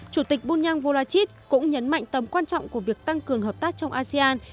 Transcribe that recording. chủ tịch bunyang vorachit cũng nhấn mạnh tầm quan trọng của việc tăng cường hợp tác trong asean